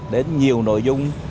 đến nhiều nội dung